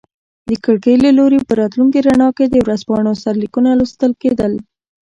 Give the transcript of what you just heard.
د کړکۍ له لوري په راتلونکي رڼا کې د ورځپاڼو سرلیکونه لوستل کیدل.